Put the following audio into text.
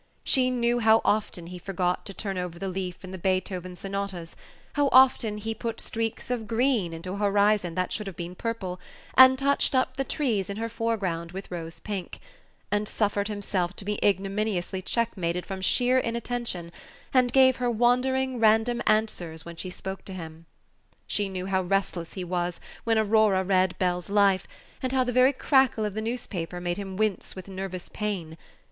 She knew how often he forgot to turn over the leaf in the Beethoven sonatas, how often he put streaks of green into a horizon that should have been purple, and touched up the trees in her foreground with rose pink, and suffered himself to be ignominiously checkmated from sheer inattention, and gave her wandering, random answers when she spoke to him. She knew how restless he was when Aurora read Bell's Life, and how the very crackle of the newspaper made him wince with nervous pain.